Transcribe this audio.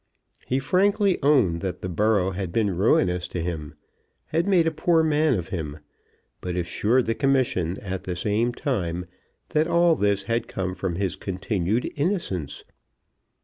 He frankly owned that the borough had been ruinous to him; had made a poor man of him, but assured the Commission at the same time that all this had come from his continued innocence.